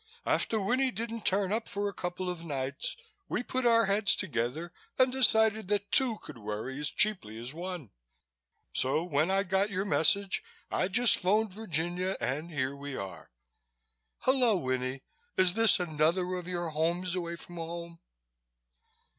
After Winnie didn't turn up for a couple of nights, we put our heads together and decided that two could worry as cheaply as one. So when I got your message, I just phoned Virginia and here we are. Hullo, Winnie, is this another of your homes away from home?"